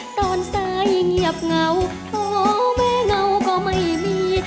ตอนสายเงียบเหงาโทแม่เงาก็ไม่มี